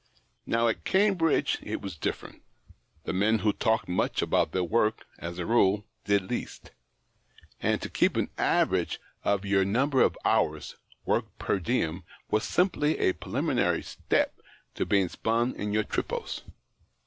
Now, at Cambridge it was different : the men who talked much about their work, as a rule, did least ; and to keep an average of your number of hours' work per diem was simply a preliminary step to being spun in your tripos."